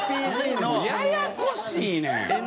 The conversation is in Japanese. ややこしいねん。